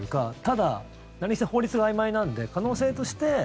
ただ、何せ法律があいまいなんで可能性として。